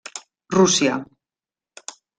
Rússia.